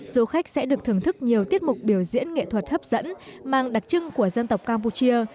du khách sẽ được thưởng thức nhiều tiết mục biểu diễn nghệ thuật hấp dẫn mang đặc trưng của dân tộc campuchia